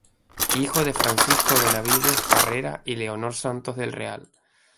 Hijo de Francisco Benavides Carrera y Leonor Santos del Real.